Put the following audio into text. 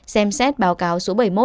xem xét báo cáo số bảy mươi một